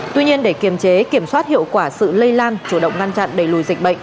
tuy nhiên để kiểm soát hiệu quả sự lây lan chủ động ngăn chặn đầy lùi dịch bệnh